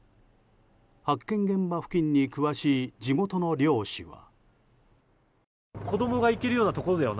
発見現場付近に詳しい地元の猟師は。